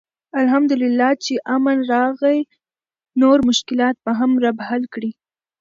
الحمدالله چې امن راغی، نور مشکلات به هم رب حل کړي.